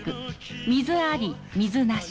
水あり水なし